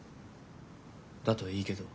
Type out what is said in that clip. だといいけど。